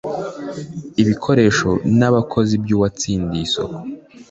ibikoresho n abakozi by uwatsindiye isoko